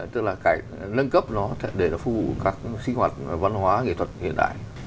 tức là nâng cấp nó để nó phù hợp với các sinh hoạt văn hóa nghệ thuật hiện đại